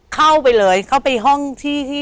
เข้าไปเลยเข้าไปห้องที่ที่